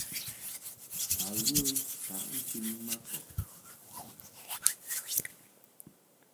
Ba ghə ntaʼ ŋkwin ma kɔb.